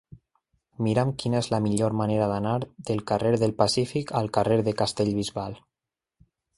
Mira'm quina és la millor manera d'anar del carrer del Pacífic al carrer de Castellbisbal.